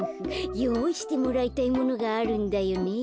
よういしてもらいたいものがあるんだよね。